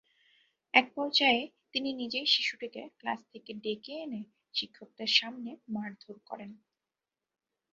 একপর্যায়ে তিনি নিজেই শিশুটিকে ক্লাস থেকে ডেকে এনে শিক্ষকদের সামনে মারধর করেন।